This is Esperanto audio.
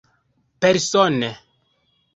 Persone.